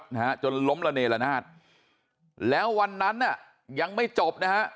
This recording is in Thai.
นะฮะจนล้มระเนละนาดแล้ววันนั้นน่ะยังไม่จบนะฮะ